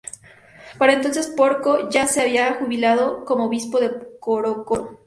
Para entonces, Porco ya se había jubilado como obispo de Corocoro.